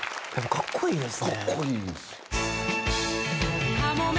かっこいいんです。